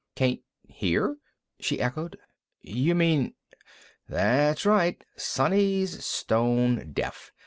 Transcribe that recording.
"Can't hear?" she echoed. "You mean ?" "That's right. Sonny's stone deaf.